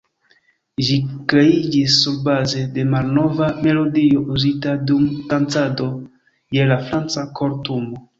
Ĝi kreiĝis surbaze de malnova melodio uzita dum dancado je la Franca kortumo.